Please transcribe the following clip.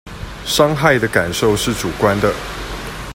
傷害的感受是主觀的